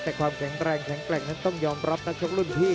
แต่ความแข็งแรงแข็งแกร่งนั้นต้องยอมรับนักชกรุ่นพี่